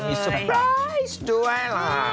มีสุปรายซ์ด้วยล่ะ